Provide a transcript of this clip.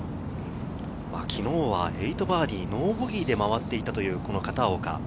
昨日は８バーディー、ノーボギーで回っていたという片岡。